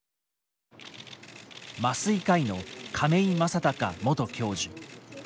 麻酔科医の亀井政孝元教授。